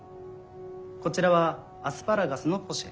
こちらはアスパラガスのポシェ。